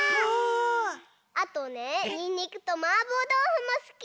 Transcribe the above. あとねにんにくとマーボーどうふもすき！